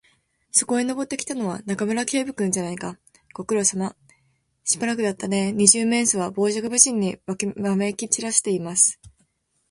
そこへ登ってきたのは、中村警部君じゃないか。ご苦労さま。しばらくだったねえ。二十面相は傍若無人にわめきちらしています。